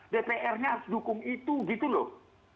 dprnya harus dukung itu gitu loh